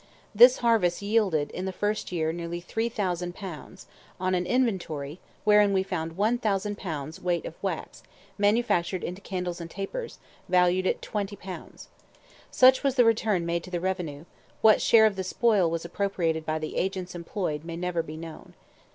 This harvest yielded in the first year nearly 3,000 pounds, on an inventory, wherein we find 1,000 lbs. weight of wax, manufactured into candles and tapers, valued at 20 pounds. Such was the return made to the revenue; what share of the spoil was appropriated by the agents employed may never be known.